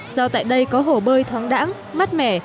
do tại đây có hồ bơi thoáng đẳng mát mẻ